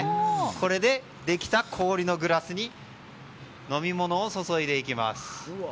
これでできた氷のグラスに飲み物を注いでいきます。